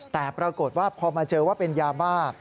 แต่ปรากฏว่าพอมาเจอว่าเป็นยาบ้า